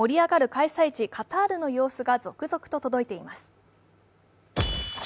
開催地カタールの様子が続々と届いています。